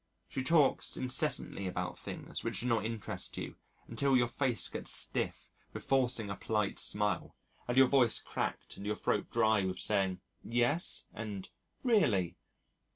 She talks incessantly about things which do not interest you, until your face gets stiff with forcing a polite smile, and your voice cracked and your throat dry with saying, "Yes," and "Really."